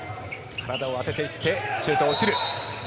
体を当てていって、シュート落ちる。